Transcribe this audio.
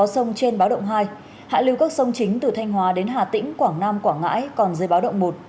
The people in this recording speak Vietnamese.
sông trên báo động hai hạ lưu các sông chính từ thanh hóa đến hà tĩnh quảng nam quảng ngãi còn dưới báo động một